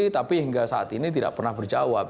tapi hingga saat ini tidak pernah berjawab